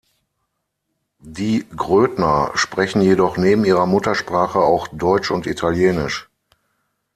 Die Grödner sprechen jedoch neben ihrer Muttersprache auch Deutsch und Italienisch.